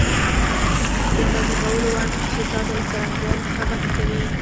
د اندازه کولو وړ محسوساتو له څرنګوالي څخه بحث کوي.